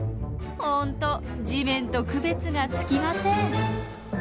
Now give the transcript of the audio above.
ほんと地面と区別がつきません。